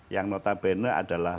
yang notabene adalah